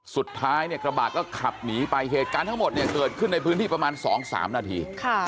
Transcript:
สุดท้ายเนี่ยกระบะก็ขับหนีไปเหตุการณ์ทั้งหมดเนี่ยเกิดขึ้นในพื้นที่ประมาณ๒๓นาที